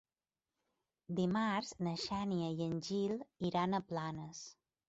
Dimarts na Xènia i en Gil iran a Planes.